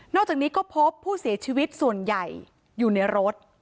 อกจากนี้ก็พบผู้เสียชีวิตส่วนใหญ่อยู่ในรถ